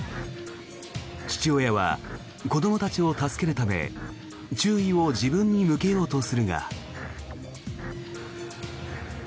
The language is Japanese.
父親は子どもたちを助けるため注意を自分に向けようとするが。